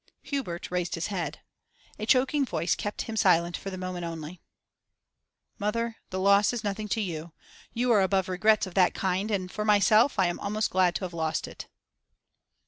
Hubert raised his head. A choking voice kept him silent for a moment only. 'Mother, the loss is nothing to you; you are above regrets of that kind; and for myself, I am almost glad to have lost it.